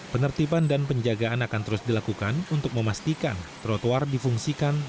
penertiban dan penjagaan akan terus dilakukan untuk memastikan trotoar difungsikan